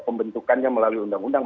pembentukannya melalui undang undang